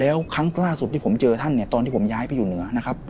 แล้วครั้งล่าสุดที่ผมเจอท่านเนี่ยตอนที่ผมย้ายไปอยู่เหนือนะครับ